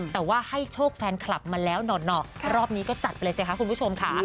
แต่ว่าให้โชคแฟนคลับมาแล้วหน่อรอบนี้ก็จัดไปเลยสิคะคุณผู้ชมค่ะ